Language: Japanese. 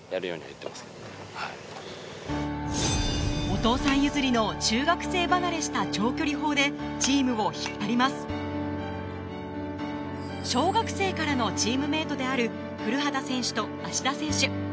お父さん譲りの中学生離れした長距離砲でチームを引っ張ります小学生からのチームメートである古畑選手と芦田選手